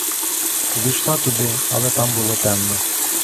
Увійшла туди, але там було темно.